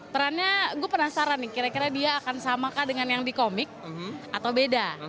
perannya gue penasaran nih kira kira dia akan samakah dengan yang di komik atau beda